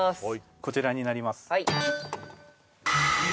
こちらになります